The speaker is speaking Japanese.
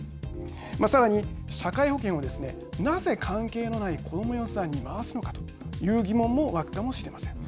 さらに、社会保険はですねなぜ、関係のないこども予算に回すのかという疑問も湧くかもしれません。